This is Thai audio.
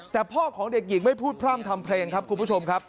แต่พ่อของเด็กหญิงไม่พูดพร่ำทำเพลงครับคุณผู้ชมครับ